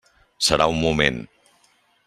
Serà un moment.